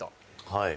はい